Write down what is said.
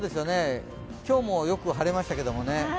今日もよく晴れましたけどね。